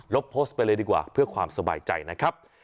โพสต์ไปเลยดีกว่าเพื่อความสบายใจนะครับ